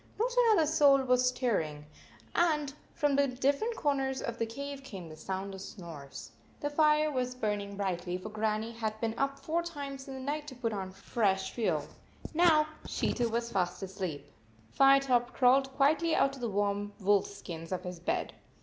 Not another soul was stirring, and from the different corners of the cave came the sound of snores. The fire was burning brightly, for Grannie had been up four times in the night to put on fresh fuel. Now she too was fast asleep. Firetop crawled quietly out of the warm wolf skins of his bed.